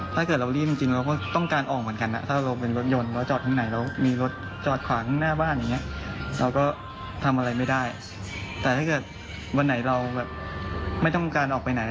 แต่ถ้าเกิดวันไหนเราไม่ต้องการออกไปไหน